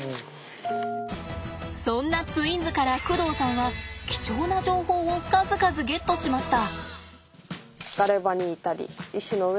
そんなツインズから工藤さんは貴重な情報を数々ゲットしました。